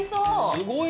すごいな。